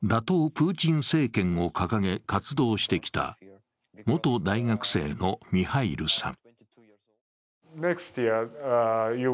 プーチン政権を掲げ活動してきた元大学生のミハイルさん。